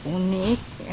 unik lucu terus cantik